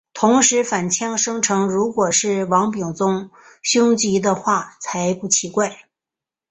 同时反呛声称如果是王炳忠袭胸的话才不奇怪。